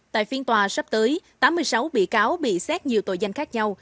tại phiên tòa sắp tới tám mươi sáu bị cáo bị xét nhiều tội danh khác nhau